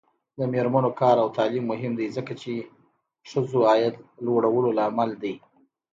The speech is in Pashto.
د میرمنو کار او تعلیم مهم دی ځکه چې ښځو عاید لوړولو لامل دی.